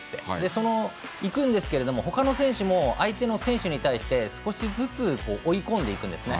その行くんですけれども他の選手も相手の選手に対して少しずつ追い込んでいくんですね。